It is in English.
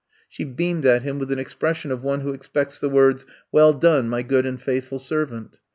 She beamed at him with an expression of one who expects the words :'' Well done, my good and faithful servant.